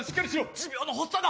持病の発作が！